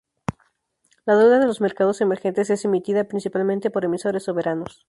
La deuda de los mercados emergentes es emitida principalmente por emisores soberanos.